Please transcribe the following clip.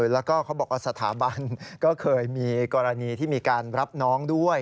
แล้วก็เขาบอกว่าสถาบันก็เคยมีกรณีที่มีการรับน้องด้วย